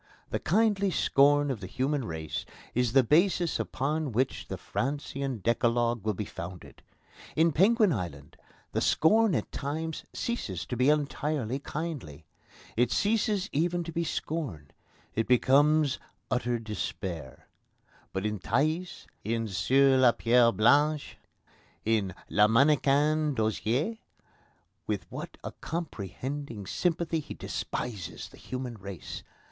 The kindly scorn of the human race is the basis upon which the Francian Decalogue will be founded. In Penguin Island the scorn at times ceases to be entirely kindly. It ceases even to be scorn. It becomes utter despair. But in Thaïs, in Sur la Pierre Blanche, in Le Mannequin d'Osier, with what a comprehending sympathy he despises the human race!